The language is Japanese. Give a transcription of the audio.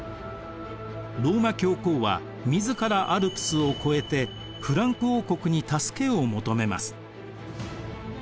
ローマ教皇は自らアルプスを越えてフランク王国に助けを求めます。